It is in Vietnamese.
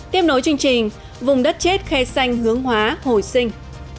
tiếp nối chương trình vùng đất chết khe xanh hướng hóa hồi sinh